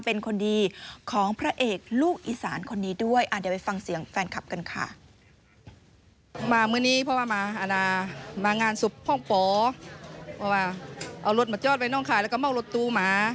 เพราะว่าเอารถมาจอดไปนั่งข่ายแล้วก็ไม่เอารถตู้มา